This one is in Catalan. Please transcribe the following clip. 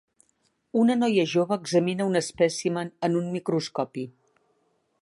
Una noia jove examina un espècimen en un microscopi.